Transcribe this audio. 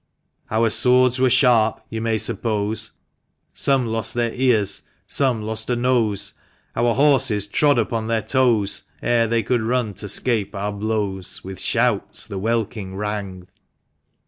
Our swords were sharp, you may suppose, Some lost their ears — some lost a nose ; Our horses trod upon their toes Ere they could run t' escape our blows : With shouts the welkin rang.